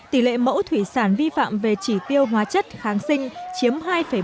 tỷ lệ mẫu thủy sản vi phạm về chỉ tiêu hóa chất kháng sinh chiếm hai ba